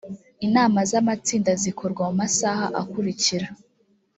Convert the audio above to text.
inama z amatsinda zikorwa mu masaha akurikira